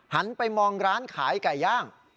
หันไปมองร้านขายไก่ย่าง